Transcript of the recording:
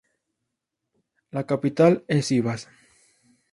La capital es Sivas.